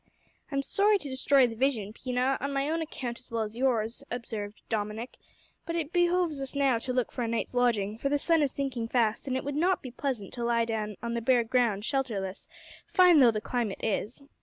"I'm sorry to destroy the vision, Pina, on my own account as well as yours," observed Dominick, "but it behoves us now to look for a night's lodging, for the sun is sinking fast, and it would not be pleasant to lie down on the bare ground shelterless, fine though the climate is.